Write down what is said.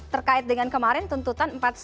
terkait dengan kemarin tuntutan